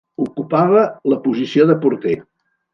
Ocupava la posició de porter.